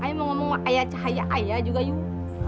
saya mau berbicara dengan ayah cahaya ayah juga yuk